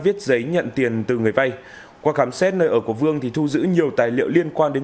viết giấy nhận tiền từ người vay qua khám xét nơi ở của vương thì thu giữ nhiều tài liệu liên quan đến